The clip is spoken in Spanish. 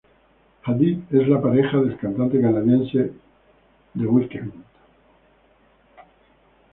Hadid es la pareja del cantante canadiense The Weeknd.